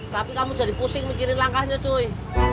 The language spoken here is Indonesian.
tapi kamu jadi pusing mikirin langkahnya joy